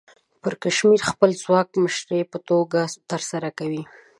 پرکمشر د خپل ځواک مشري په سمه توګه ترسره کوي.